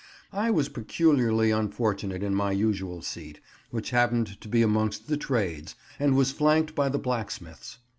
I was peculiarly unfortunate in my usual seat, which happened to be amongst the trades, and was flanked by the blacksmiths.